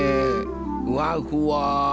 ふわふわ。